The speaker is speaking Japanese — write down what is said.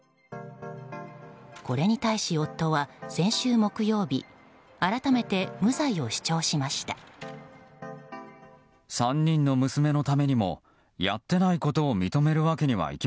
これに対し夫は、先週木曜日改めて無罪を主張しました。